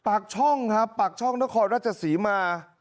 ปากช่องครับปากช่องแล้วคอจะสิมา